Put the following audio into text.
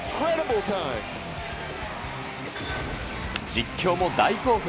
実況も大興奮。